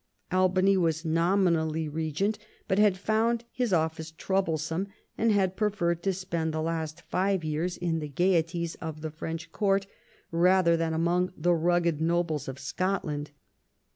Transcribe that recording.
Albany was nominally regent, but had found his office troublesome, and had preferred to spend the last five years in the gaieties of the French Court rather than among the rugged nobles of Scotland.